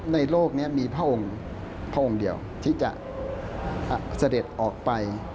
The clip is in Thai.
ในโลกเนี่ยมีพระองค์เดียวที่จะเสด็จออกไป